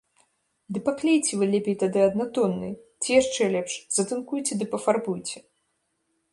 Ды паклейце вы лепей тады аднатонныя, ці яшчэ лепш, затынкуйце ды пафарбуйце!